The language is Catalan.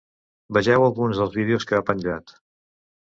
Vegeu alguns dels vídeos que ha penjat.